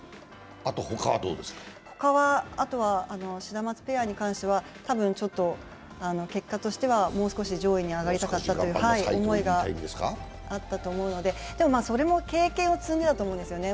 ほかは、あとはシダマツペアに関しては多分、結果としては、もう少し上位に上がりたかったという思いがあると思うので、それも経験を積んでだと思うんですね。